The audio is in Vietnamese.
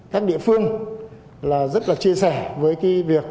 các địa phương là rất là chia sẻ với cái việc